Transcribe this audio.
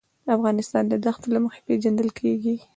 افغانستان د دښتو له مخې پېژندل کېږي.